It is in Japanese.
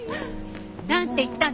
なんて言ったの？